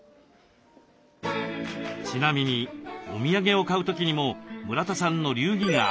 ちなみにお土産を買う時にも村田さんの流儀があります。